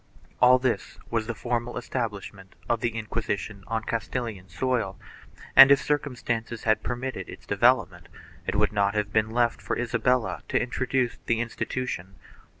1 All this was the formal establishment of the Inquisition on Castilian soil and, if circumstances had per mitted its development, it would not have been left for Isabella to introduce the institution.